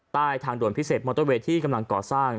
ใต้ทางด่วนพิเศษมอเตอร์เวย์ที่กำลังก่อสร้าง